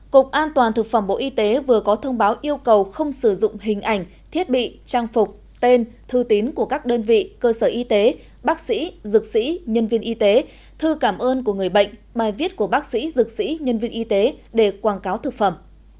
cục an toàn thực phẩm bộ y tế vừa có thông báo yêu cầu không sử dụng hình ảnh thiết bị trang phục tên thư tín của các đơn vị cơ sở y tế bác sĩ dược sĩ nhân viên y tế thư cảm ơn của người bệnh bài viết của bác sĩ dược sĩ nhân viên y tế để quảng cáo thực phẩm